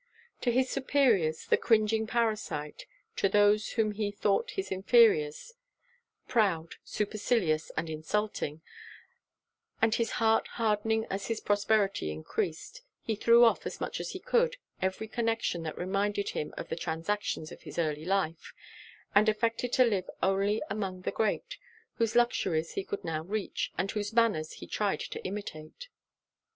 To his superiors, the cringing parasite; to those whom he thought his inferiors, proud, supercilious, and insulting; and his heart hardening as his prosperity encreased, he threw off, as much as he could, every connection that reminded him of the transactions of his early life, and affected to live only among the great, whose luxuries he could now reach, and whose manners he tried to imitate.